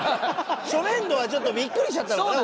初年度はちょっとビックリしちゃったのかな？